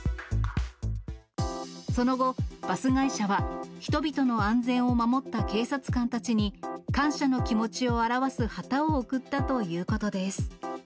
その後、バス会社は、人々の安全を守った警察官たちに、感謝の気持ちを表す旗を贈ったということです。